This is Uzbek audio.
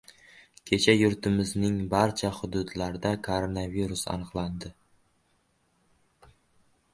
Kecha yurtimizning barcha hududlarida koronavirus aniqlandi